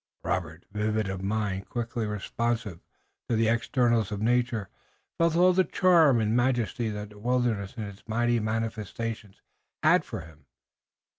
Robert, vivid of mind, quickly responsive to the externals of nature, felt all the charm and majesty that the wilderness in its mightiest manifestations had for him.